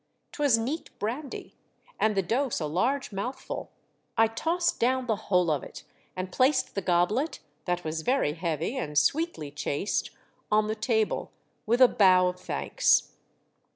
'Twas neat brandy, and the dose a large mouthful ; I tossed down the whole of it, and placed the goblet, that was very heavy and 94 THE DEATH SHIP. sweetly chased, on the table with a bow of thanks.